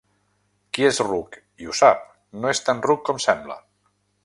Qui és ruc i ho sap no és tan ruc com sembla.